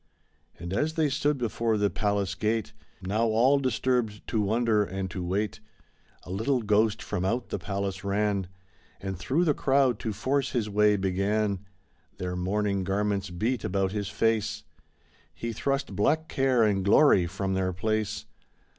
And as they stood before the palace gate. Now all disturbed to wonder and to wait. A little ghost from out the palace ran And through the crowd to force his way began. Their mourning garments beat about his face. He thrust black Care and Glory from their place.